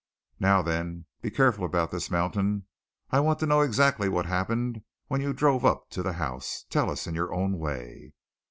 "Now, then, be careful about this, Mountain. I want to know exactly what happened when you drove up to the house. Tell us in your own way."